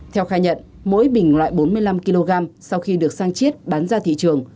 theo khai nhận mỗi bình loại bốn mươi năm kg sau khi được sang chiết bán ra thị trường